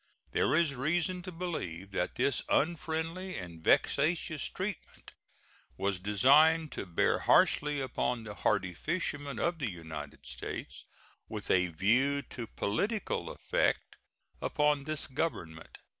There is reason to believe that this unfriendly and vexatious treatment was designed to bear harshly upon the hardy fishermen of the United States, with a view to political effect upon this Government.